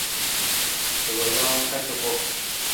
U wii jawang ka cuko.